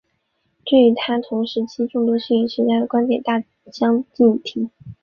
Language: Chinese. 这与他同时期众多心理学家的观点大相径庭。